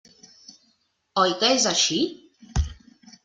Oi que és així?